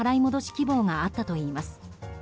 希望があったといいます。